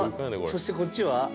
そしてこっちは？